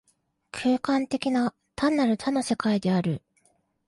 空間的な、単なる多の世界である。